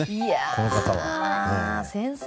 この方は。